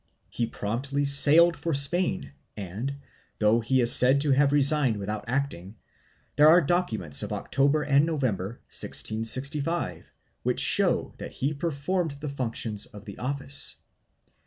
He promptly sailed for Spain and, though he is said to have resigned without acting, there are documents of October and November, 1665, which show that he performed the functions of the office.